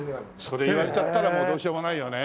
それ言われちゃったらもうどうしようもないよね。